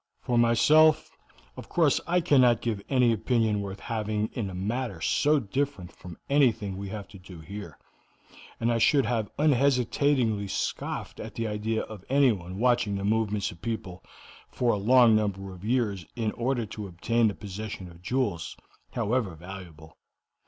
"For myself, of course I cannot give any opinion worth having in a matter so different from anything we have to do with here, and I should have unhesitatingly scoffed at the idea of anyone watching the movements of people for a long number of years in order to obtain the possession of jewels, however valuable.